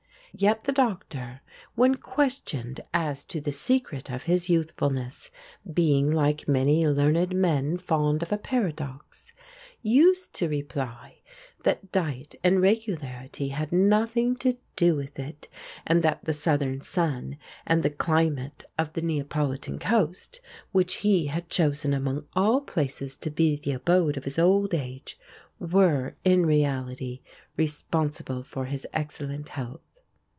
Yet the Doctor, when questioned as to the secret of his youthfulness, being like many learned men fond of a paradox, used to reply that diet and regularity had nothing to do with it, and that the Southern sun and the climate of the Neapolitan coast, which he had chosen among all places to be the abode of his old age, were in reality responsible for his excellent health.